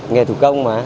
nghề thủ công mà